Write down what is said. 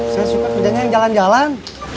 saya suka kerjanya yang jalan jalan